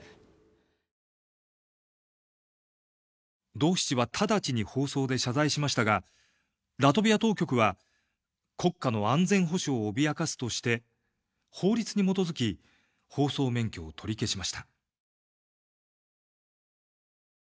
ドーシチは直ちに放送で謝罪しましたがラトビア当局は国家の安全保障を脅かすとして法律に基づき放送免許を取り消しました。